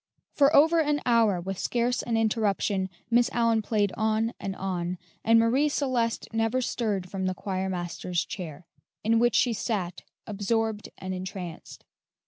For over an hour, with scarce an interruption, Miss Allyn played on and on, and Marie Celeste never stirred from the choirmaster's chair, in which she sat absorbed and entranced.